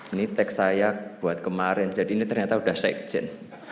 ini tek sayak buat kemarin jadi ini ternyata udah sekjen